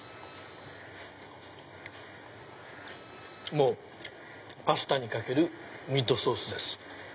もうパスタにかけるミートソースです。